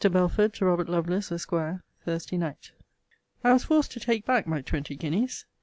BELFORD, TO ROBERT LOVELACE, ESQ. THURSDAY NIGHT. I was forced to take back my twenty guineas.